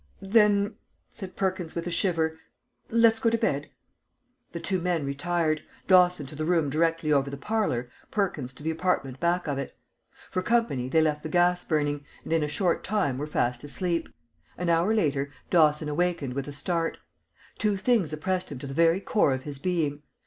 "Then," said Perkins, with a shiver, "let's go to bed." The two men retired, Dawson to the room directly over the parlor, Perkins to the apartment back of it. For company they left the gas burning, and in a short time were fast asleep. An hour later Dawson awakened with a start. Two things oppressed him to the very core of his being.